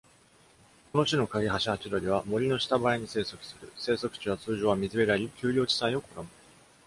この種のカギハシハチドリは、森の下生えに生息する。生息地は通常は水辺であり、丘陵地帯を好む。